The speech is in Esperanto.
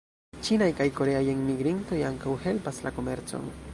Ĉinaj kaj koreaj enmigrintoj ankaŭ helpas la komercon.